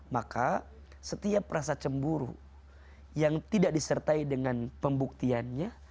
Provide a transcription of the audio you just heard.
maka setiap rasa cemburu yang tidak disertai dengan pembuktiannya